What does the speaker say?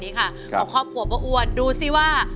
ของครอบครัวป้าอ้วนดูสิว่า